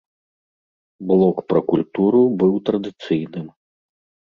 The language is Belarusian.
Блок пра культуру быў традыцыйным.